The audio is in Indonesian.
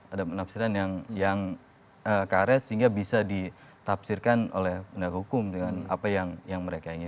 ada penafsiran yang karet sehingga bisa ditafsirkan oleh pendagang hukum dengan apa yang mereka inginkan